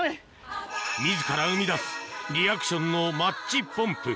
自ら生み出すリアクションのマッチポンプ